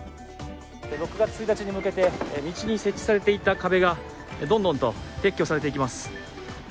６月１日に向けて道に設置されていた壁がどんどんと撤去されていきます。